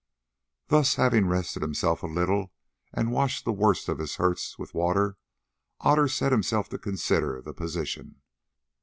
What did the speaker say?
Then, having rested himself a little, and washed the worst of his hurts with water, Otter set himself to consider the position.